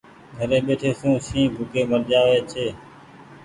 گھري ٻيٺي سون شنهن ڀوُڪي مرگيئي ڇي۔